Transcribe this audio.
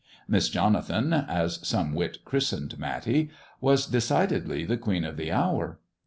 Miss Jonathan, as some wit christened Matty, was decidedly the queen of the hour.